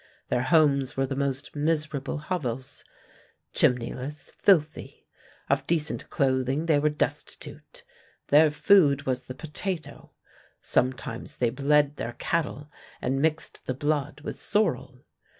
Their homes were the most miserable hovels, chimneyless, filthy. Of decent clothing they were destitute. Their food was the potato; sometimes they bled their cattle and mixed the blood with sorrel.